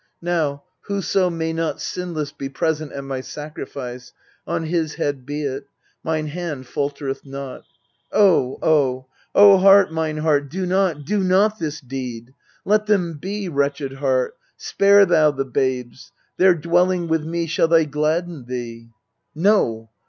Now, whoso may not Sinless be present at my sacrifice, On his head be it : mine hand faltereth not. Oh ! oh ! heart, mine heart, do not do not this deed ! Let them be, wretched heart, spare thou thy babes ! There dwelling with me shall they gladden thee. No